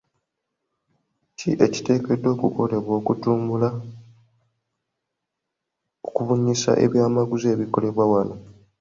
Ki ekiteekeddwa okukolebwa okutumbula okubunyisa ebyamaguzi ebikolebwa wano?